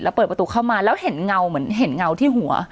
แล้วเปิดประตูเข้ามาแล้วเห็นเงาเหมือนเห็นเงาที่หัว